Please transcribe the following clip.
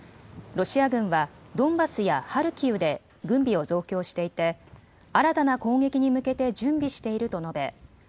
ロシア軍はドンバスやハルキウで軍備を増強していて新たな攻撃に向けて準備していると述べ